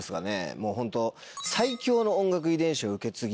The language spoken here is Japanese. もうホント。